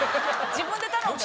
自分で頼んで。